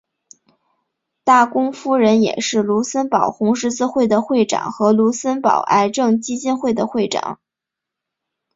大公夫人也是卢森堡红十字会的会长和卢森堡癌症基金会的会长。